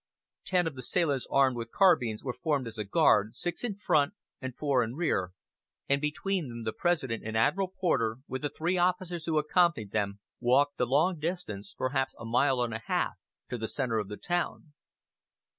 Ten of the sailors armed with carbines were formed as a guard, six in front, and four in rear, and between them the President and Admiral Porter, with the three officers who accompanied them, walked the long distance, perhaps a mile and a half, to the centre of the town.